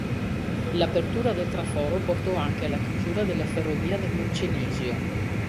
L'apertura del traforo portò anche alla chiusura della ferrovia del Moncenisio.